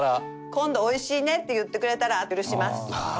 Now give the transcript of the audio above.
今度「美味しいね」って言ってくれたら許します。